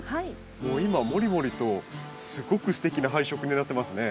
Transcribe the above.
もう今もりもりとすごくすてきな配色になってますね。